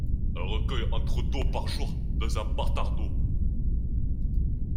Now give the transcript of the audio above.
Elle recueille entre d'eau par jour dans un batardeau.